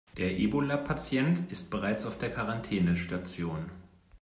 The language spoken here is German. Der Ebola-Patient ist bereits auf der Quarantänestation.